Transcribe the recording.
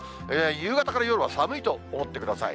夕方から夜は寒いと思ってください。